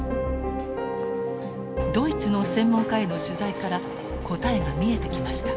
ドイツの専門家への取材から答えが見えてきました。